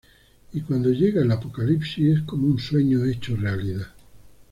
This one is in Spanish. Y cuando llega el apocalipsis, es como un sueño hecho realidad.